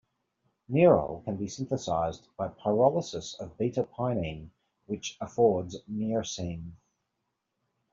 Nerol can be synthesized by pyrolysis of beta-pinene, which affords myrcene.